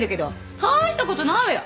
大したことないわよ。